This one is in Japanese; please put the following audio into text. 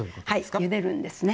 はいゆでるんですね。